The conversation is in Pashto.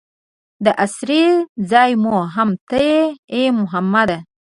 د اسرې ځای مو هم ته یې ای محمده.